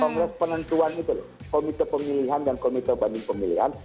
kongres penentuan itu komite pemilihan dan komite banding pemilihan